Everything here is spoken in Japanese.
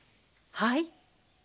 はい。